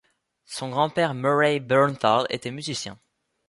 Son grand-père Murray Bernthal était musicien.